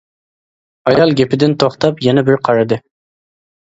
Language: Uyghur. ئايال گېپىدىن توختاپ يەنە بىر قارىدى.